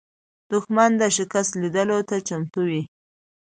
دښمن د شکست لیدلو ته چمتو وي